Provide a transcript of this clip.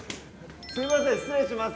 すいません失礼します